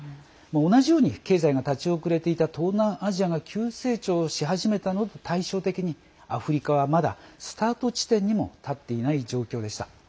同じように経済が立ち遅れていた東南アジアが急成長したのと対照的にアフリカはまだスタート地点にも立っていない状況でした。